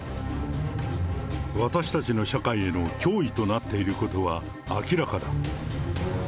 私たちの社会への脅威となっていることは明らかだ。